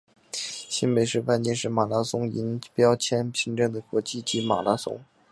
新北市万金石马拉松银标签认证的国际级马拉松。